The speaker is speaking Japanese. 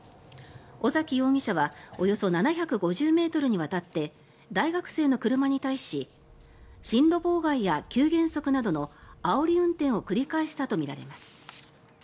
尾崎容疑者はおよそ７５０ｍにわたって大学生の車に対し進路妨害や急減速などのあおり運転を繰り返したとみられます。